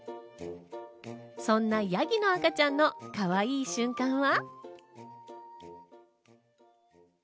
そんなヤギの赤ちゃんのかわいい瞬間は。